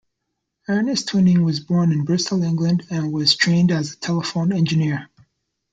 Ernest Twining was born in Bristol, England, and was trained as a telephone engineer.